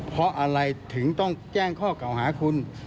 เพราะอะไรถึงต้องแจ้งข้อเก่าหาคุณ